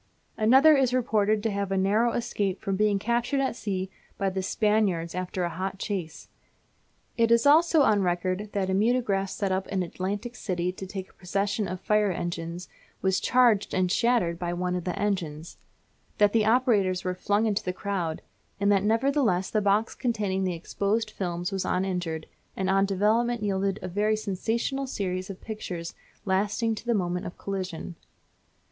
Another is reported to have had a narrow escape from being captured at sea by the Spaniards after a hot chase. It is also on record that a mutograph set up in Atlantic City to take a procession of fire engines was charged and shattered by one of the engines; that the operators were flung into the crowd: and that nevertheless the box containing the exposed films was uninjured, and on development yielded a very sensational series of pictures lasting to the moment of collision.